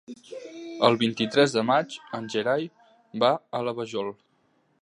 El vint-i-tres de maig en Gerai va a la Vajol.